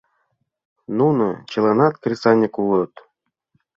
Нуно чыланат кресаньык улыт.